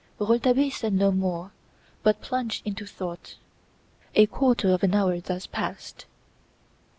Rouletabille said no more but plunged into thought. A quarter of an hour thus passed.